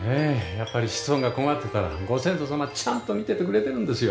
やっぱり子孫が困ってたらご先祖様ちゃんと見ててくれてるんですよ。